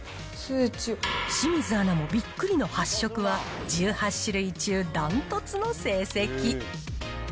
清水アナもびっくりの発色は、１８種類中ダントツの成績。